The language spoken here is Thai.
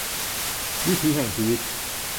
วิถีแห่งชีวิต